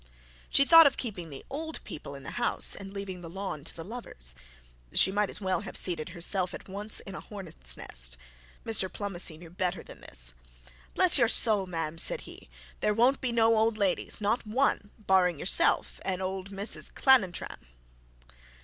She thought of keeping the old people in the house, and leaving the lawn to the lovers. She might as well have seated herself at once in a hornet's nest. Mr Pomney knew better than this. 'Bless your soul, Ma'am,' said he, 'there won't be no old ladies; not one, barring yourself and old Mrs Chantantrum.'